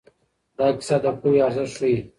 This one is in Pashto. دا کیسه د پوهې ارزښت ښيي.